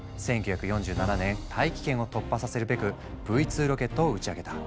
１９４７年大気圏を突破させるべくＶ２ロケットを打ち上げた。